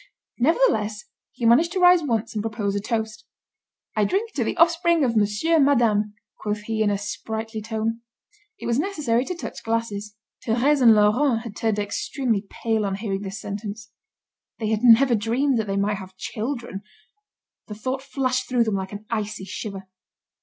Nevertheless, he managed to rise once and propose a toast. "I drink to the offspring of monsieur and madame," quoth he in a sprightly tone. It was necessary to touch glasses. Thérèse and Laurent had turned extremely pale on hearing this sentence. They had never dreamed that they might have children. The thought flashed through them like an icy shiver.